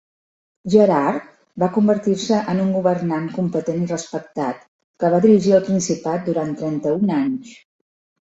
Gerard va convertir-se en un governant competent i respectat que va dirigir el principat durant trenta-un anys.